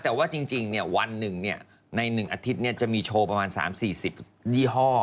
แต่ว่าจริงวันหนึ่งใน๑อาทิตย์จะมีโชว์ประมาณ๓๔๐ยี่ห้อ